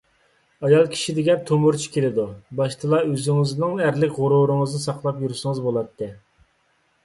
ئايال كىشى دېگەن تومۇرچى كېلىدۇ. باشتىلا ئۆزىڭىزنىڭ ئەرلىك غۇرۇرىڭىزنى ساقلاپ يۈرسىڭىز بولاتتى.